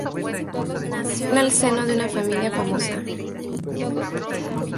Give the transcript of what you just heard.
Nació en el seno de una familia famosa.